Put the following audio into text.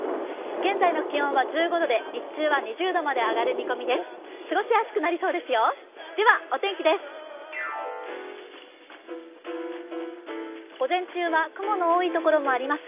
現在の気温は１５度で日中は２０度まで上がる見込みです。